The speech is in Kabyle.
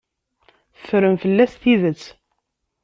Ffren fell-as tidet.